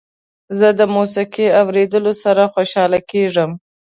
زه د موسيقۍ اوریدلو سره خوشحاله کیږم.